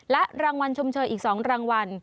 และรางวัลชมเชยอีก๒รางวัล